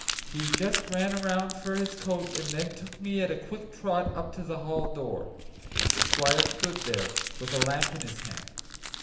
He just ran round for his coat, and then took me at a quick trot up to the hall door. The squire stood there, with a lamp in his hand.